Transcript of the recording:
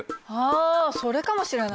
あそれかもしれない。